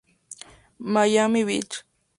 Miami Beach